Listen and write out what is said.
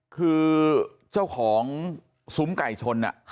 คือเจ้าของซุ้มไก่ชน